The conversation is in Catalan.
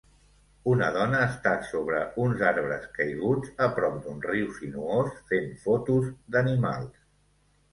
Una dona està sobre uns arbres caiguts a prop d"un riu sinuós, fent fotos d"animals.